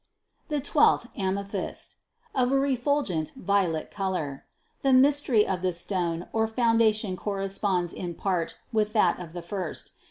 296. "The twelfth, amethyst," of a refulgent violet color. The mystery of this stone or foundation cor responds in part with that of the first.